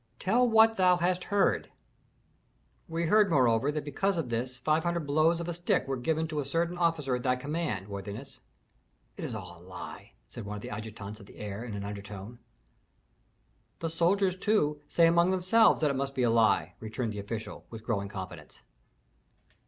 "Tell what thou hast heard." "We heard, moreover, that because of this five hundred blows of a stick were given to a certain officer at thy command, worthiness." "It is all a lie!" said one of the adjutants of the heir in an undertone. "The soldiers, too, say among themselves that it must be a lie," returned the official, with growing confidence.